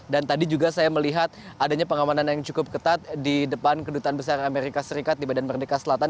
dan tadi juga saya melihat adanya pengamanan yang cukup ketat di depan kedutaan besar amerika serikat di badan merdeka selatan